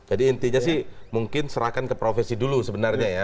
jadi intinya sih mungkin serahkan ke profesi dulu sebenarnya ya